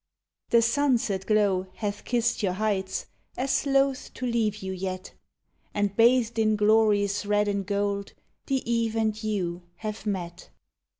The sunset glow hath kissed your heights, As loth to leave you yet; And, bathed in glories red and gold, The eve and you have met.